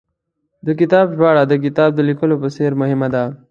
د کتاب ژباړه، د کتاب د لیکلو په څېر مهمه ده